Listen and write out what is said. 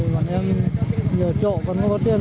bọn em nhiều chỗ còn không có tiền